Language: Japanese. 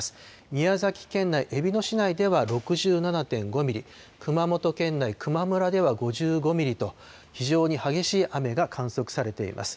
宮崎県内、えびの市内では６７．５ミリ、熊本県内球磨村では５５ミリと、非常に激しい雨が観測されています。